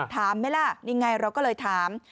ถามไหมล่ะนี่ไงเราก็เลยถาม